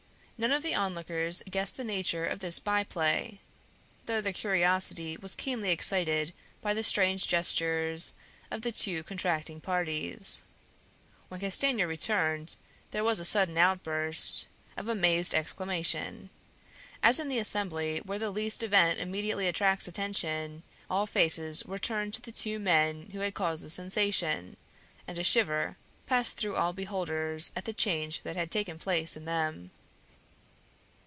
None of the onlookers guessed the nature of this by play, though their curiosity was keenly excited by the strange gestures of the two contracting parties. When Castanier returned, there was a sudden outburst of amazed exclamation. As in the Assembly where the least event immediately attracts attention, all faces were turned to the two men who had caused the sensation, and a shiver passed through all beholders at the change that had taken place in them.